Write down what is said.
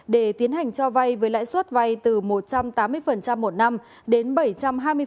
để tiến hành cho vay với lãi suất vay từ một trăm tám mươi một năm đến bảy trăm hai mươi